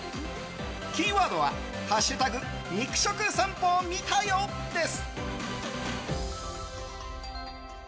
キーワードは「＃肉食さんぽ見たよ」です。